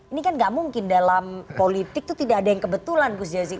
ini kan gak mungkin dalam politik itu tidak ada yang kebetulan gus jazik